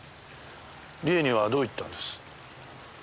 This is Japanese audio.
理恵にはどう言ったんです？